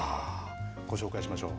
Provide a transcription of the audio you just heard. ご紹介しましょう。